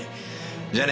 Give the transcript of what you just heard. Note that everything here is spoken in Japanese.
じゃあね。